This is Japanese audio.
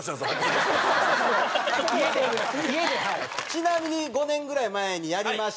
ちなみに５年ぐらい前にやりました。